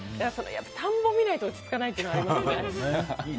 田んぼ見ないと落ち着かないというのはありますね。